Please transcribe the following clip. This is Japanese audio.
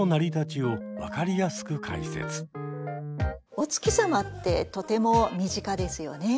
お月様ってとても身近ですよね。